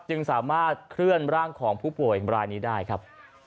จึงสามารถเคลื่อนร่างของผู้ป่วยรายนี้ได้ครับ